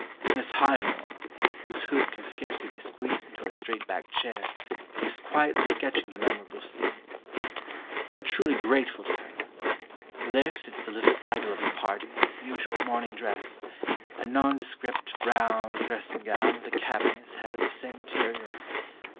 Miss Highmore, whose hoop can scarcely be squeezed into her straight backed chair, is quietly sketching the memorable scene. We are truly grateful to her, for there sits the little idol of the party in his usual morning dress, a nondescript brown dressing gown with a cap on his head of the same materials.